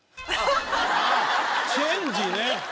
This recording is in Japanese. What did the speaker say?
ああチェンジね。